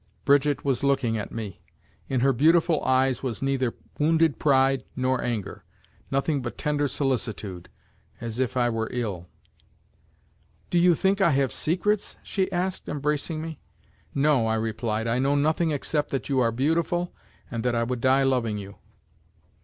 Brigitte was looking at me; in her beautiful eyes there was neither wounded pride nor anger; there was nothing but tender solicitude as if I were ill. "Do you think I have secrets?" she asked, embracing me. "No," I replied, "I know nothing except that you are beautiful and that I would die, loving you."